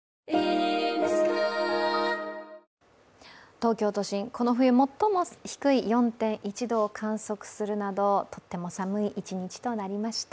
東京都心、この冬最も低い４．１度を観測するなどとっても寒い一日となりました。